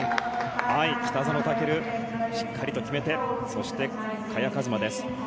北園丈琉、しっかりと決めてそして、萱和磨です。